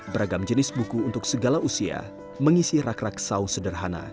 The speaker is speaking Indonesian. beragam jenis buku untuk segala usia mengisi rak raksau sederhana